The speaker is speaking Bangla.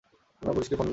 আমরা পুলিশকে ফোন দেব।